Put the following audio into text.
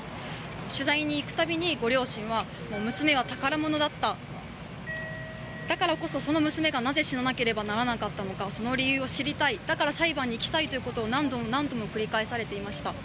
取材に行く度に、ご両親は娘は宝物だっただからこそその娘がなぜ死ななければならなかったのかその理由を知りたいだから裁判に行きたいと何度も何度も繰り返されていました。